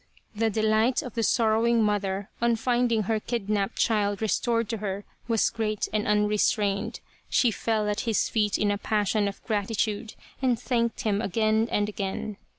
The delight of the sorrowing mother on finding her kidnapped child restored to her was great and un restrained. She fell at his feet in a passion of grati tude and thanked him again and again.